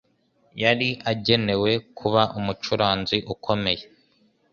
Yari agenewe kuba umucuranzi ukomeye.